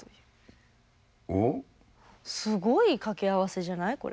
すごい掛け合わせじゃない？